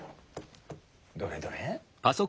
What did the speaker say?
どれどれ。